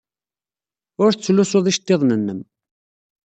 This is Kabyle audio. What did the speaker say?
Ur tettlusud iceḍḍiḍen-nnem.